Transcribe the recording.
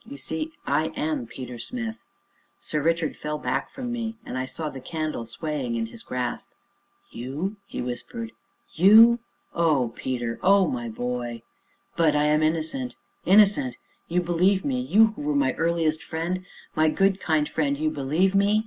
You see, I am Peter Smith." Sir Richard fell back from me, and I saw the candle swaying in his grasp. "You?" he whispered, "you? Oh, Peter! oh, my boy!" "But I am innocent innocent you believe me you who were my earliest friend my good, kind friend you believe me?"